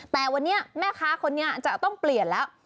แต่วันนี้แม่ค้าคนนี้จะต้องเปลี่ยนแล้ว